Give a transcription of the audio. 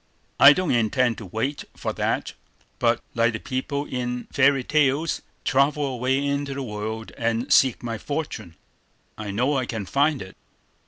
I don't intend to wait for that, but, like the people in fairy tales, travel away into the world and seek my fortune. I know I can find it."